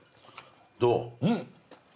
どう？